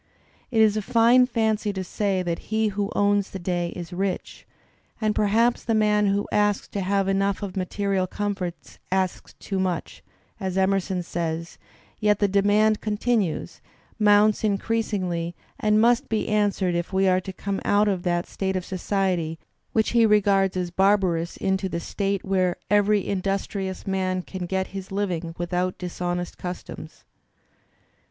It is a fine fancy to say that he who owns the day is rich, and perhaps the man who asks to have enough of material comforts asks too much, as Emerson says, yet the demand continues, moimts increas ingly, and must be answered if we are to come out of that state of society which he regards as barbarous into the state where "every industrious man can get his living without dishonest customs."